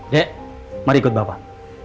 ya mari ikut bapak